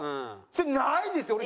ないですよ。